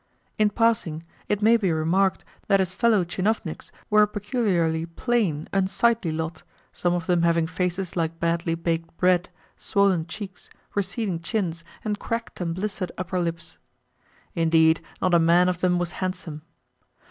In passing, it may be remarked that his fellow tchinovniks were a peculiarly plain, unsightly lot, some of them having faces like badly baked bread, swollen cheeks, receding chins, and cracked and blistered upper lips. Indeed, not a man of them was handsome.